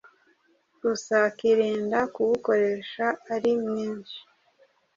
gusa akirinda kuwukoresha ari mwinshi